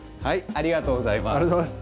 ありがとうございます。